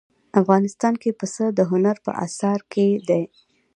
افغانستان کې پسه د هنر په اثار کې دي.